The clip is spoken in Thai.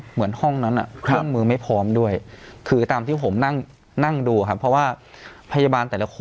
เหมือนห้องนั้นเครื่องมือไม่พร้อมด้วยคือตามที่ผมนั่งดูครับเพราะว่าพยาบาลแต่ละคน